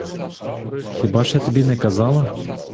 Хіба ж я тобі не казала?